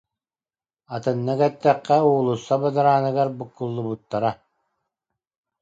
Атыннык эттэххэ уулусса бадарааныгар буккуллубуттара